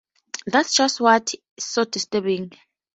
That's just what's so disturbing.